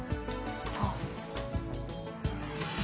あっ。